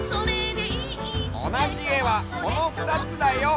おなじえはこのふたつだよ！